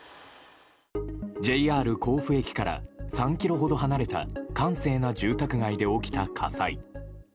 ＪＲ甲府駅から３ｋｍほど離れた閑静な住宅街で起きた火災。